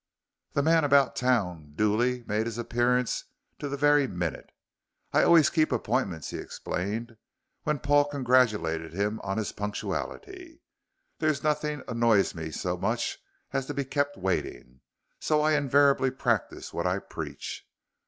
The man about town duly made his appearance to the very minute. "I always keep appointments," he explained when Paul congratulated him on his punctuality; "there's nothing annoys me so much as to be kept waiting, so I invariably practise what I preach.